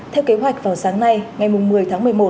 theo kế hoạch vào sáng nay ngày một mươi tháng một mươi một